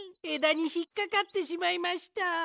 えだにひっかかってしまいました。